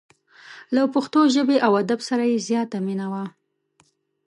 له پښتو ژبې او ادب سره یې زیاته مینه وه.